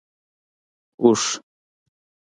🐪 اوښ